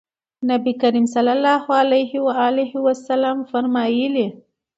نبي کريم صلی الله عليه وسلم فرمايلي: